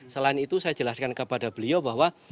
selain itu saya jelaskan kepada beliau bahwa